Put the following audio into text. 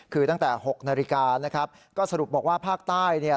คือตั้งแต่๖นาฬิกานะครับก็สรุปบอกว่าภาคใต้เนี่ย